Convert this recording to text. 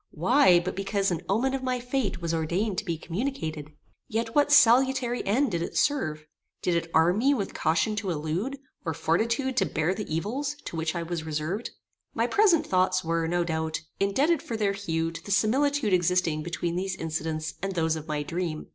Why but because an omen of my fate was ordained to be communicated? Yet what salutary end did it serve? Did it arm me with caution to elude, or fortitude to bear the evils to which I was reserved? My present thoughts were, no doubt, indebted for their hue to the similitude existing between these incidents and those of my dream.